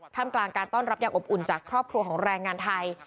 ทำกลางการต้อนรับอย่างอบอุ่นจากครอบครัวของแรงงานไทย